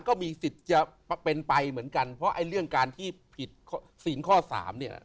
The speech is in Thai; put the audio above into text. ก็มีสิทธิ์จะเป็นไปเหมือนกันเพราะไอ้เรื่องการที่ผิดศีลข้อสามเนี่ย